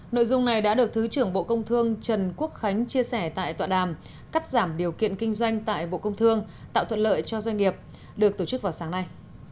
nội dung này đã được thứ trưởng bộ công thương trần quốc khánh chia sẻ tại tọa đàm cắt giảm điều kiện kinh doanh tại bộ công thương tạo thuận lợi cho doanh nghiệp được tổ chức vào sáng nay